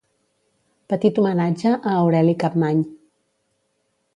Petit homenatge a Aureli Capmany.